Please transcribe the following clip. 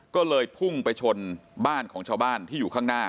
ก็เลยพุ่งไปชนบ้านของชาวบ้านที่อยู่ข้างหน้า